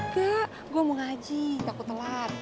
kek gue mau ngaji takut telat